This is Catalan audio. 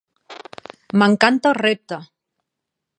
M'encanta el repte.